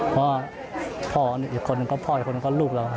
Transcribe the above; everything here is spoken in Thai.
เพราะพ่ออีกคนนึงก็พ่ออีกคนนึงก็ลูกเรา